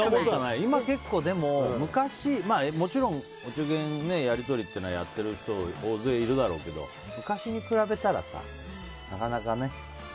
でも、今は結構もちろん、お中元のやり取りってやってる人大勢いるだろうけど昔に比べたら、なかなかね。